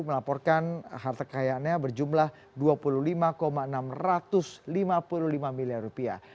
melaporkan harta kekayaannya berjumlah dua puluh lima enam ratus lima puluh lima miliar rupiah